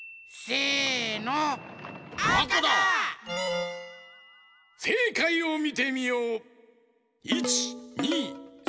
せいかいをみてみよう！